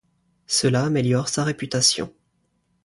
Cela améliore sa réputation.